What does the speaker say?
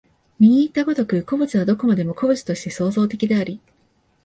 右にいった如く、個物はどこまでも個物として創造的であり、